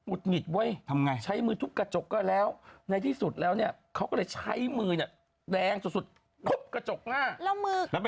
หงิดเว้ยทำไงใช้มือทุบกระจกก็แล้วในที่สุดแล้วเนี่ยเขาก็เลยใช้มือเนี่ยแดงสุดทุบกระจกหน้าแล้วมือ